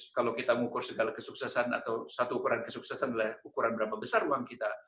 karena jika kita mengukur segala kesuksesan atau satu ukuran kesuksesan adalah ukuran berapa besar uang kita